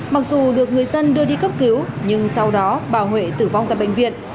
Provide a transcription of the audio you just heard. mặc dù được người dân đưa đi cấp cứu nhưng sau đó bà huệ tử vong tại bệnh viện